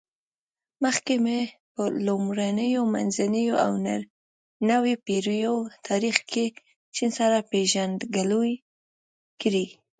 مخکې مو په لومړنیو، منځنیو او نویو پېړیو تاریخ کې چین سره پېژندګلوي کړې.